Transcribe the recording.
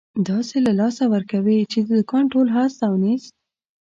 داسې له لاسه ورکوې، چې د دوکان ټول هست او نیست.